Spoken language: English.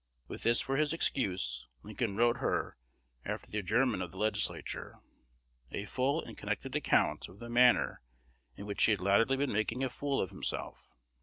With this for his excuse, Lincoln wrote her, after the adjournment of the Legislature, a full and connected account of the manner in which he had latterly been making "a fool of" himself.